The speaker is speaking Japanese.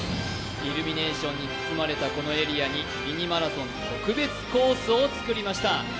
イルミネーションに包まれたこのエリアに「ミニマラソン」特別コースを造りました。